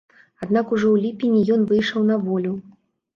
Аднак ужо ў ліпені ён выйшаў на волю.